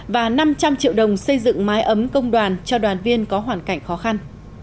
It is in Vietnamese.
và năm trăm linh triệu đồng xây dựng mái ấm công đoàn cho đoàn viên có hoàn cảnh khó khăn